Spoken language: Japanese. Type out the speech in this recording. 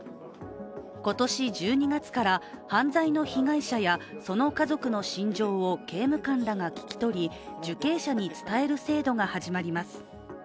今年１２月から犯罪の被害者や、その家族の心情を刑務官らが聞き取り、受刑者に伝える制度が始まります。